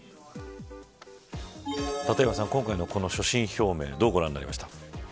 立岩さん、今回の所信表明どうご覧になりましたか。